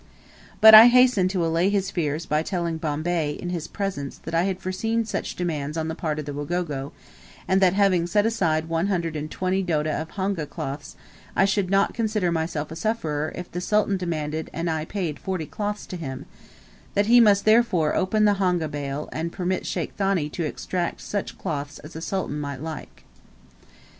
But I hastened to allay his fears by telling Bombay, in his presence, that I had foreseen such demands on the part of the Wagogo, and that having set aside one hundred and twenty doti of honga cloths, I should not consider myself a sufferer if the Sultan demanded and I paid forty cloths to him; that he must therefore open the honga bale, and permit Sheikh Thani to extract such cloths as the Sultan might like.